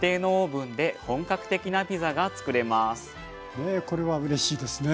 ねえこれはうれしいですね。